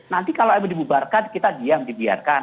nanti kalau ada yang dibubarkan kita diam dibiarkan